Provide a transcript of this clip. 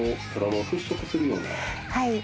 はい。